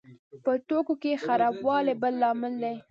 په توکو کې خرابوالی بل لامل دی.